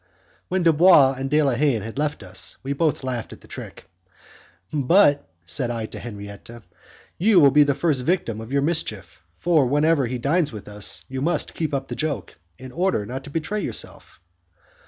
When Dubois and De la Haye had left us, we both laughed at the trick. "But," said I to Henriette, "you will be the first victim of your mischief, for whenever he dines with us, you must keep up the joke, in order not to betray yourself."